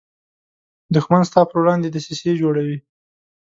دښمن ستا پر وړاندې دسیسې جوړوي